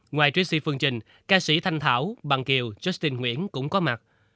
ngoài trishy phương trình ca sĩ thanh thảo bằng kiều justin nguyễn cũng có mặt